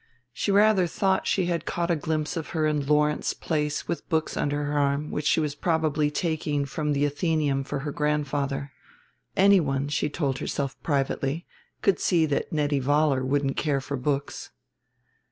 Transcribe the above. She rather thought she had caught a glimpse of her in Lawrence Place with books under her arm which she was probably taking from the Athenaeum for her grandfather. Anyone, she told herself privately, could see that Nettie Vollar wouldn't care for books.